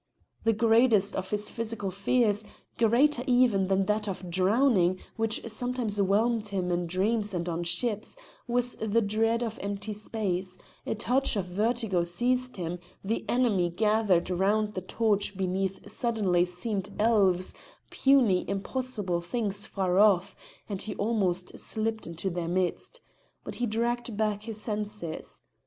The greatest of his physical fears greater even than that of drowning which sometimes whelmed him in dreams and on ships was the dread of empty space; a touch of vertigo seized him; the enemy gathered round the torch beneath suddenly seemed elves, puny impossible things far off, and he almost slipped into their midst. But he dragged back his senses.